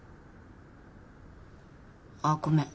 あっごめん。